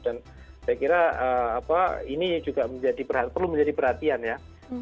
dan saya kira ini juga perlu menjadi perhatian ya